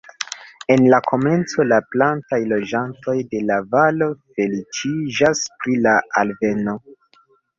En la komenco, la plantaj loĝantoj de la valo feliĉiĝas pri la alveno.